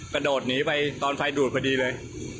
กระโดดหนีไปตอนไฟดูดพอดีเลย